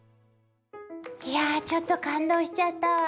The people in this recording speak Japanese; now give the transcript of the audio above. いやちょっと感動しちゃったわ。